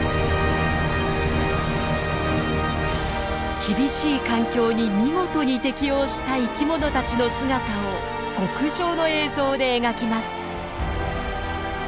厳しい環境に見事に適応した生きものたちの姿を極上の映像で描きます。